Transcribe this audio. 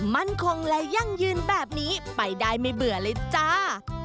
มั่นคงและยั่งยืนแบบนี้ไปได้ไม่เบื่อเลยจ้า